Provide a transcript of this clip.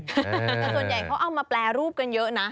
แต่ส่วนใหญ่เขาเอามาแปรรูปกันเยอะนะ